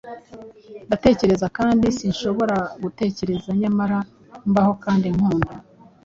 Ndatekereza, kandi sinshobora gutekereza; nyamara mbaho kandi nkunda.